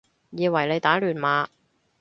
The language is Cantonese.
以為你打亂碼